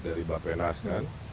dari bpn askan